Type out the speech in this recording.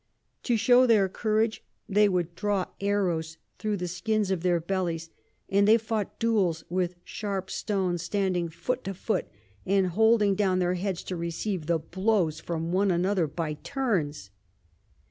To shew their Courage, they would draw Arrows thro the Skins of their Bellies, and they fought Duels with sharp Stones, standing foot to foot, and holding down their Heads to receive the Blows from one another by turns.